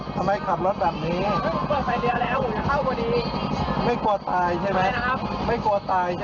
เราอยู่เลนส์ขวาเราดูลนซ้ายอ่ะ